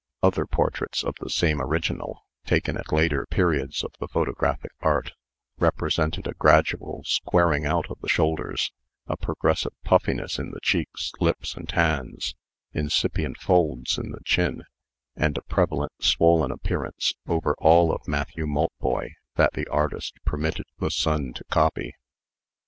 Other portraits, of the same original, taken at later periods of the photographic art, represented a gradual squaring out of the shoulders, a progressive puffiness in the cheeks, lips, and hands, incipient folds in the chin, and a prevalent swollen appearance over all of Matthew Maltboy that the artist permitted the sun to copy.